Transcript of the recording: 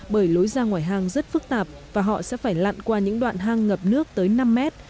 bởi lối ra ngoài hang rất phức tạp và họ sẽ phải lặn qua những đoạn hang ngập nước tới năm mét